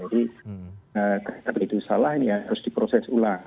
tapi itu salah ini ya harus diproses ulang